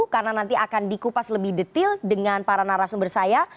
karena nanti akan dikupas lebih detail dengan para narasumber saya